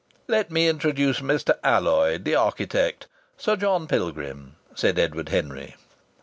"Let me introduce Mr. Alloyd, the architect Sir John Pilgrim," said Edward Henry.